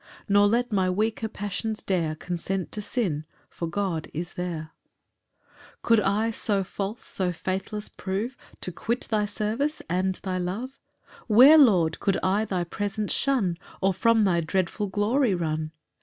"Nor let my weaker passions dare "Consent to sin, for God is there." PAUSE I. 6 Could I so false, so faithless prove, To quit thy service and thy love, Where, Lord, could I thy presence shun, Or from thy dreadful glory run?